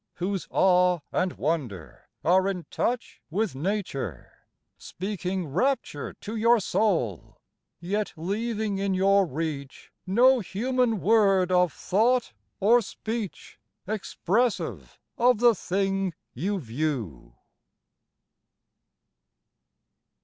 Whose awe and wonder are in touch With Nature, speaking rapture to Your soul, yet leaving in your reach No human word of thought or speech Expressive of the thing you view.